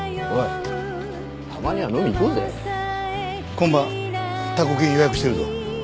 今晩多幸金予約してるぞ。